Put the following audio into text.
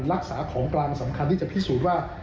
รักษาของกลางสำคัญที่จะพิสูจน์ว่า